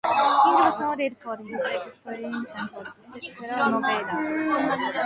King was noted for his exploration of the Sierra Nevada.